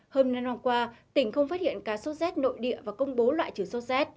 hôm năm hôm qua tỉnh không phát hiện ca sốt z nội địa và công bố loại trừ sốt z